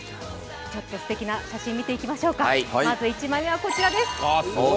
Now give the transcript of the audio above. すてきな写真、見ていきましょうかまず１枚目はこちらです。